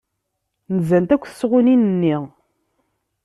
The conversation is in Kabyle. Nzant akk tesɣunin-nni.